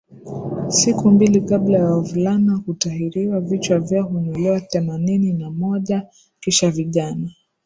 Siku mbili kabla ya wavulana kutahiriwa vichwa vyao hunyolewa Themanini na moja Kisha vijana